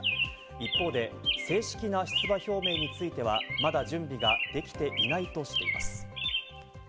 一方で正式な出馬表明についてはまだ準備ができていないとしています。